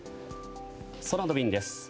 空の便です。